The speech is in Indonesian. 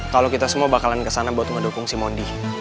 kalau kita semua bakalan kesana buat ngedukung si mondi